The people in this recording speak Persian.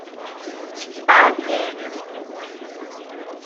بعد یه